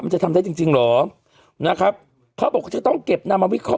มันจะทำได้จริงหรอนะครับเขาบอกว่าจะต้องเก็บน้ำมาวิเคราะห์